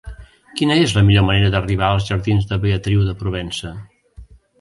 Quina és la millor manera d'arribar als jardins de Beatriu de Provença?